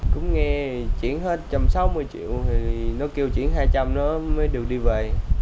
cũng nghe chuyển hết một trăm sáu mươi triệu thì nó kêu chuyển hai trăm linh nó mới được đi về